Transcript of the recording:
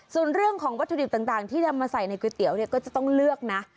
ส่วนเรื่องของวัตถุดิบต่างที่นำมาใส่ในก๋วยเตี๋ยวเนี่ยก็จะต้องเลือกนะ